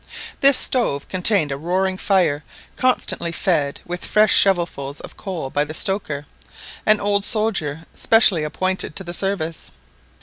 This stove contained a roaring fire constantly fed with fresh shovelfuls of coal by the stoker, an old soldier specially appointed to the service.